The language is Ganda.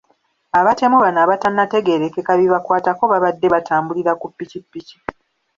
Abatemu bano abatannategeerekeka bibakwatako babadde batambulira ku ppikipiki.